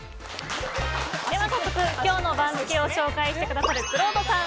早速、今日の番付を紹介してくださるくろうとさん